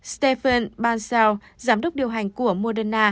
stephen bansal giám đốc điều hành của moderna